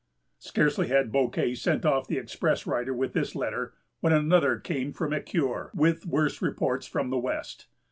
Scarcely had Bouquet sent off the express rider with this letter, when another came from Ecuyer with worse reports from the west.